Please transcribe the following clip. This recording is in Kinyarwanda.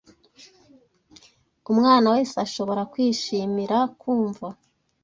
Umwana wese ashobora kwishimira kumva